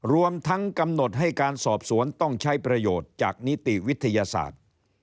รวมทั้งกำหนดให้การสอบสวนต้องใช้ประโยชน์จากนิติวิทยาศาสตร์